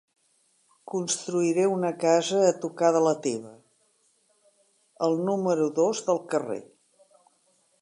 Construiré una casa a tocar de la teva, al número dos del carrer.